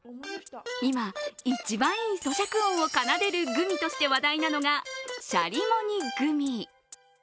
今、一番いいそしゃく音を奏でるグミとして話題なのがしゃりもにグミ。